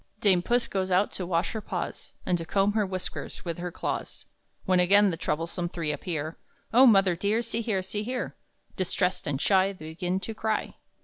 Dame Puss goes out to wash her paws, And to comb her whiskers with her claws, When again the troublesome three appear; "Oh mother dear, see here see here!" Distressed and shy They begin to cry.